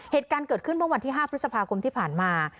เหตุการณ์เกิดขึ้นเมื่อวันที่๕พฤษภาคมที่ผ่านมา